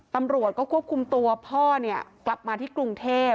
ตำรวจก็ควบคุมตัวพ่อเนี่ยกลับมาที่กรุงเทพ